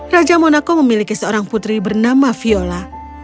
raja monaco memiliki seorang putri bernama viola